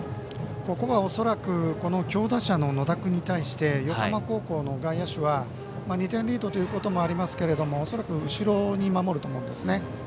ここは恐らく強打者の野田君に対して横浜高校の外野手は２点リードということもありますけれども恐らく後ろに守ると思うんですね。